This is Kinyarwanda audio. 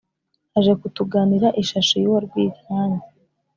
aje kutuganira ishashi y’uwa rwinkanye